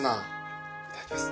いただきます。